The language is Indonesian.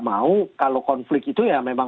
mau kalau konflik itu ya memang